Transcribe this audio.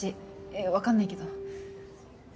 わかんないけど。